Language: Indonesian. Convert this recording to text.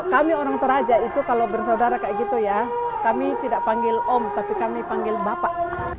kami orang toraja itu kalau bersaudara kayak gitu ya kami tidak panggil om tapi kami panggil bapak